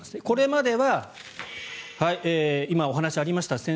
これまでは今、お話にありました